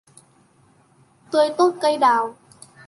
Tươi tốt cây đào